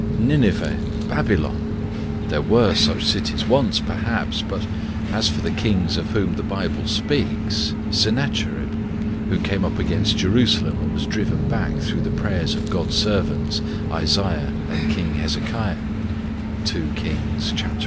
'Nineveh, Babylon? There were such cities once, perhaps; but as for the kings of whom the Bible speaks Sennacherib, who came up against Jerusalem, and was driven back through the prayers of God's servants, Isaiah and King Hezekiah (2 Kings xviii.